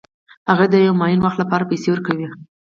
هغه د یو معین وخت لپاره پیسې ورکوي